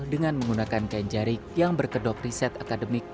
dengan menggunakan kain jarik yang berkedok riset akademik